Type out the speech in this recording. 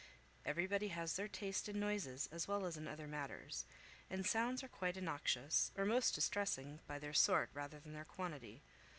Everybody has their taste in noises as well as in other matters; and sounds are quite innoxious, or most distressing, by their sort rather than their quantity.